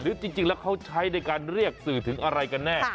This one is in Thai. จริงแล้วเขาใช้ในการเรียกสื่อถึงอะไรกันแน่